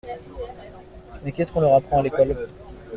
Mais qu’est-ce qu’on leur apprend à l’école?